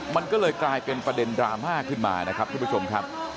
มันก็เลยกลายเป็นประเด็นดราม่าขึ้นมานะครับทุกผู้ชมครับ